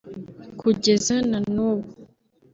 Kugeza na n’ubu